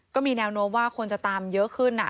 ก็มีแนวโน้มว่าคนจะตามเยอะขึ้น